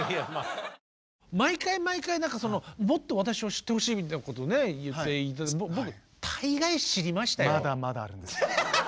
毎回毎回何かその「もっと私を知ってほしい」みたいなことを言って僕大概知りましたよ。